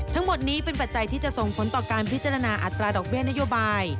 ทั้งหมดนี้เป็นปัจจัยที่จะส่งผลต่อการพิจารณาอัตราดอกเบี้ยนโยบาย